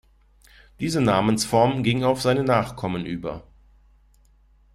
Diese Namensform ging auf seine Nachkommen über.